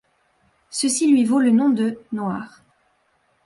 Ceci lui vaut le nom de Noirs.